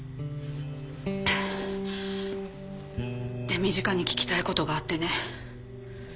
手短に聞きたいことがあってね。